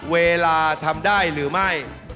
เวลาทำได้หรือไม่